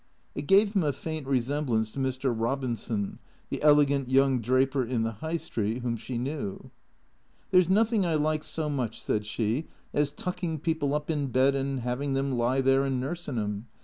It gave him a faint resemblance to Mr. Eobin son, the elegant young draper in the High Street, whom she knew. " There 's nothing I like so much," said she, " as tucking people up in bed and 'aving them lie there and nursing 'em.